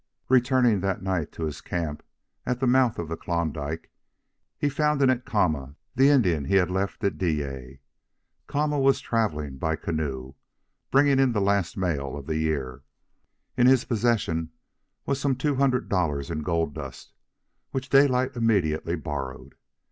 Returning that night to his camp at the mouth of Klondike, he found in it Kama, the Indian he had left at Dyea. Kama was travelling by canoe, bringing in the last mail of the year. In his possession was some two hundred dollars in gold dust, which Daylight immediately borrowed.